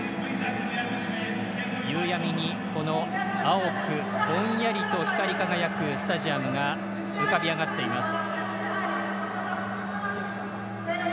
夕闇に青くぼんやりと光り輝くスタジアムが浮かび上がっています。